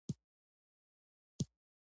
زرنج ښار ولې ګرم دی؟